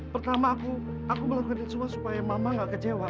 pertama aku melakukan itu semua supaya mama gak kecewa